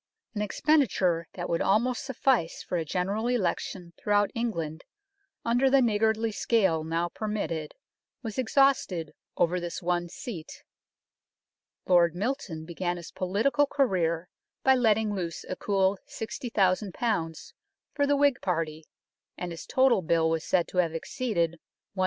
An expenditure that would almost suffice for a General Election throughout England under the niggardly scale now permitted was exhausted over this one seat. Lord Milton began his political career by letting loose a cool 60,000 for the Whig party, and his total bill was said to have exceeded 100,000.